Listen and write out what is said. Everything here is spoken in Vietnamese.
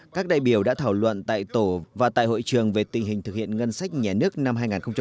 các đại biểu đã thảo luận tại tổ và tại hội trường về tình hình thực hiện ngân sách nhà nước năm hai nghìn một mươi chín